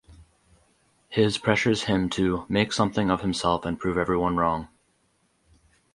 His pressures him to "make something of himself and prove everyone wrong".